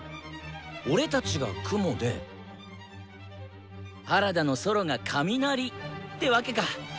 俺たちが「雲」で原田のソロが「雷」ってわけか。